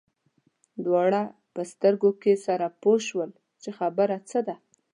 دواړه په سترګو کې سره پوه شول چې خبره څه ده.